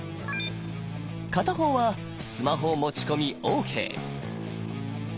片方はスマホ持ち込みＯＫ。